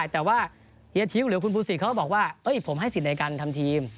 แต่ว่าเฮียทิ้วหรือคุณภูศิษเขาก็บอกว่าผมให้สิทธิ์ในการทำทีม